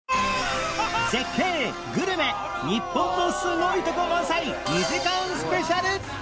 絶景グルメ日本のすごいとこ満載２時間スペシャル！